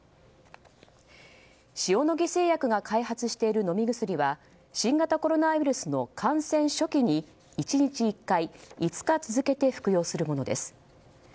塩野義製薬が開発している飲み薬は新型コロナウイルスの感染初期に１日１回５日続けて服用するものです。